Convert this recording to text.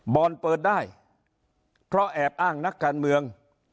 เปิดได้เพราะแอบอ้างนักการเมือง